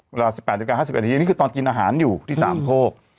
เวลา๑๘๕๐นนี่คือตอนกินอาหารอยู่ที่๓โคก